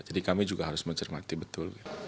jadi kami juga harus mencermati betul